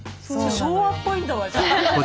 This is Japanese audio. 昭和っぽいんだわじゃ。